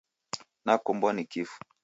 Nakombwa ni kifu.